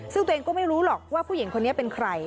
ซึ่งตัวเองก็ไม่รู้หรอกว่าผู้หญิงคนนี้เป็นใคร